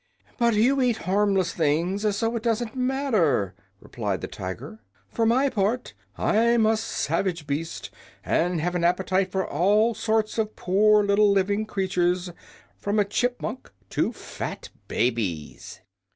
"But you eat harmless things, so it doesn't matter," replied the Tiger. "For my part, I'm a savage beast, and have an appetite for all sorts of poor little living creatures, from a chipmunk to fat babies."